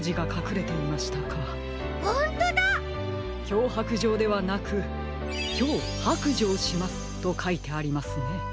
「きょうはくじょう」ではなく「きょうはくじょうします」とかいてありますね。